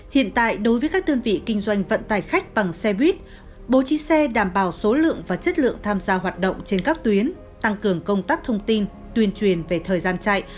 hiện tại đối với các đơn vị kinh doanh vận tài khách bằng xe buýt bố trí xe đảm bảo số lượng và chất lượng tham gia hoạt động trên các tuyến tăng cường công tác thông tin tuyên truyền về thời gian chạy